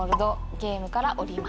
ゲームから降ります。